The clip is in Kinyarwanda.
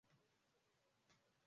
Umugabo utunganya igisenge cye